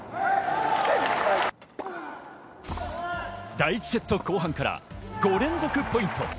第１セット後半から５連続ポイント。